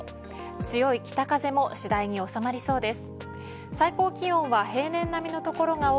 強い北風も次第に収まりそうです。